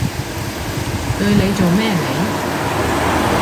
對你做咩嚟？